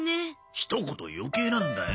ひと言余計なんだよ。